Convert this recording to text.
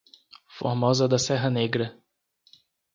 Formosa da Serra Negra